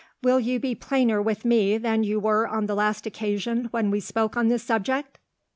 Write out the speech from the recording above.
Will you be plainer with me than you were on the last occasion when we spoke on this subject?"